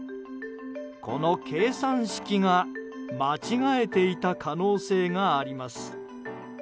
この計算式が間違えていた可能性があります。